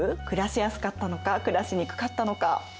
暮らしやすかったのか暮らしにくかったのか。